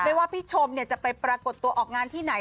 ว่าพี่ชมจะไปปรากฏตัวออกงานที่ไหน